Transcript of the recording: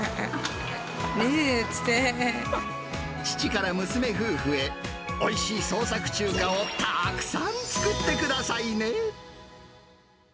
父から娘夫婦へ、おいしい創作中華をたくさん作ってくださいね。